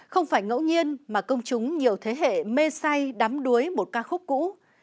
không phải ngẫu nhiên mà công chúng nhiều thế hệ mê say đắm đuối một ca khúc cũ